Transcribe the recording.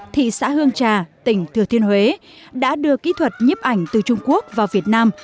thị xã hương trà tỉnh thừa thiên huế đã đưa kỹ thuật nhiếp ảnh từ trung quốc vào việt nam